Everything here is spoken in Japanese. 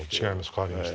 変わりました。